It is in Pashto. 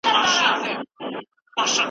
تاسو په پوره اخلاص مرسته کوله.